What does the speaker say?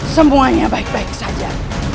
semuanya baik baik saja